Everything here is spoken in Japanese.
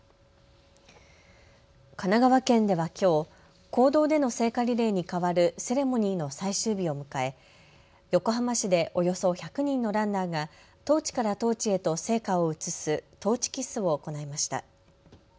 神奈川県ではきょう、公道での聖火リレーに代わるセレモニーの最終日を迎え横浜市でおよそ１００人のランナーがトーチからトーチへと聖火を移すトーチキスを行いました。